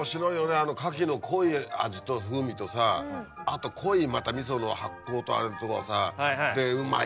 あの牡蠣の濃い味と風味とさあと濃いまた味噌の発酵とあれとかさでうまいこと。